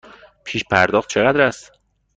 پیش پرداخت چقدر است؟